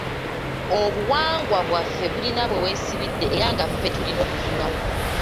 Obuwangwa bwaffe bulina we bwesibidde era nga ffe tulina okuzuulawo.